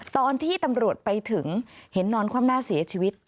ตอนที่ตำรวจไปถึงเห็นนอนคว่ำหน้าเสียชีวิต